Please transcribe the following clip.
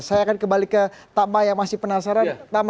saya akan kembali ke tama yang masih penasaran